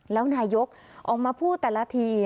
แล้วนายกออกมาพูดแต่ละที